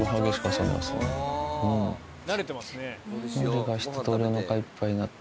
慣れてますね。